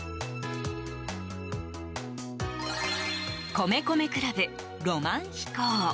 米米ＣＬＵＢ、「浪漫飛行」。